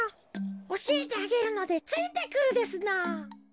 おしえてあげるのでついてくるですのぉ。